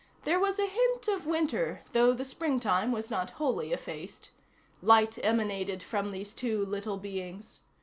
There was a hint of winter, though the springtime was not wholly effaced. Light emanated from these two little beings.